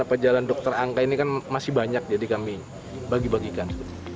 apa jalan dokter angka ini kan masih banyak jadi kami bagi bagikan